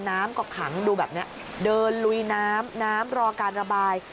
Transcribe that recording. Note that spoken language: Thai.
น้ำก็ขังดูแบบนี้เดินลุยน้ำน้ำรอการระบาย